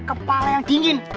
kepala yang dingin